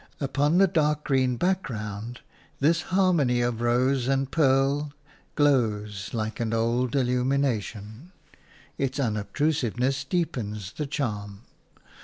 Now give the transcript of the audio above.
Upon the dark green background this harmony of rose and pearl glows like an old illumination; its unobtrusiveness deepens the charm.